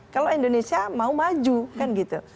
kalau indonesia mau maju kan gitu